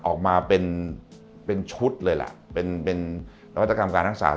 ออกมาเป็นชุดเลยล่ะเป็นเป็นนวัตกรรมการรักษา